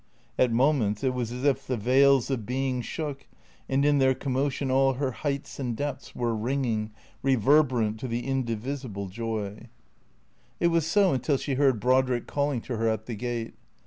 At moments it was as if the veils of being shook, and in their commotion all her heights and depths were ringing, reverberant to the indivisible joy. 389 390 THECEEATORS It was so until she heard Brodrick calling to her at the gate.